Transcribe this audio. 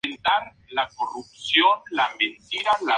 Las obras de Krasnov fueron publicadas en todas las idiomas europeas.